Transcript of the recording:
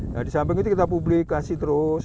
nah disamping itu kita publikasi terus